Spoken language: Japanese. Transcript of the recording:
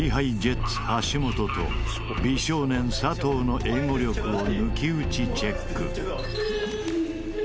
橋本と美少年佐藤の英語力を抜き打ちチェック。